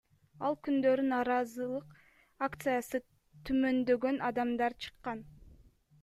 Ал күндөрү нааразылык акциясына түмөндөгөн адамдар чыккан.